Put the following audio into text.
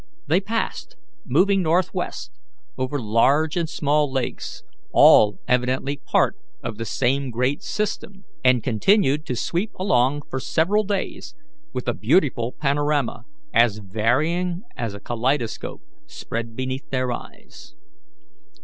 They passed, moving northwest, over large and small lakes, all evidently part of the same great system, and continued to sweep along for several days with a beautiful panorama, as varying as a kaleidoscope, spread beneath their eyes.